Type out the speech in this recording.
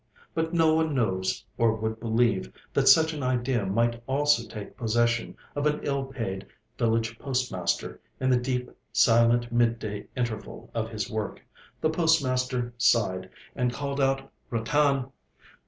But no one knows, or would believe, that such an idea might also take possession of an ill paid village postmaster in the deep, silent mid day interval of his work. The postmaster sighed, and called out 'Ratan.'